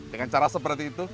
dengan cara seperti itu